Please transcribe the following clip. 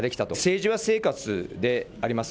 政治は生活であります。